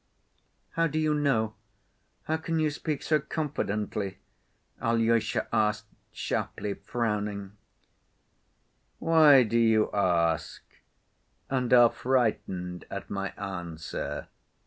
"How do you know? How can you speak so confidently?" Alyosha asked sharply, frowning. "Why do you ask, and are frightened at my answer?